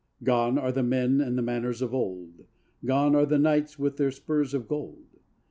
Gone are the men and the manners old, Gone are the knights with their spurs of gold.